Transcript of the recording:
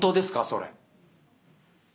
それ。